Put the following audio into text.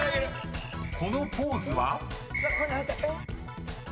［このポーズは？］